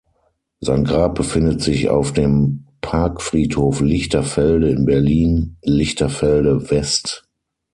Sein Grab befindet sich auf dem Parkfriedhof Lichterfelde in Berlin Lichterfelde-West.